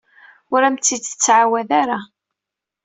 Ur am-t-id-tettɛawad ara.